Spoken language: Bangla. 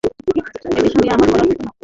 এ বিষয় নিয়ে আমার বলার কথা না, তুমি স্মোক করছ।